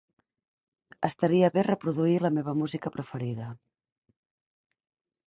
Estaria bé reproduir la meva música preferida.